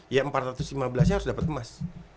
ya empat ratus lima belas nya harus dapat emas